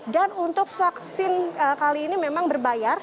dan untuk vaksin kali ini memang berbayar